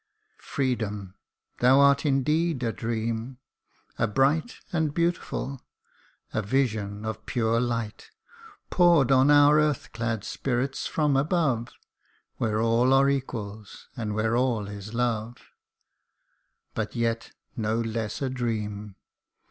Freedom ! thou art indeed a dream ! a bright And beautiful a vision of pure light, Pour'd on our earth clad spirits from above Where all are equals, and where all is love : But yet no less a dream.